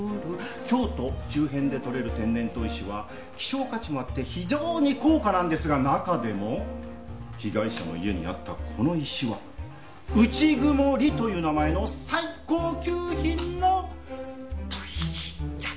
京都周辺で採れる天然砥石は希少価値もあって非常に高価なんですが中でも被害者の家にあったこの石は「内曇」という名前の最高級品の砥石じゃった。